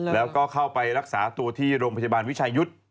แล้วก็เข้าไปรักษาตัวที่โรงพยาบาลวิชายุทธ์